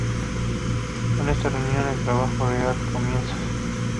Con esta reunión el trabajo real da comienzo.